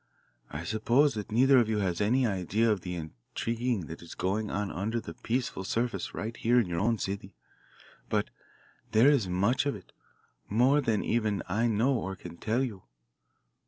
I suppose that neither of you has any idea of the intriguing that is going on under the peaceful surface right here in your own city. But there is much of it, more than even I know or can tell you.